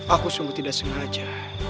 aku sungguh tidak sengaja